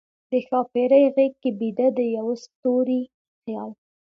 د ښاپیرۍ غیږ کې بیده، د یوه ستوری خیال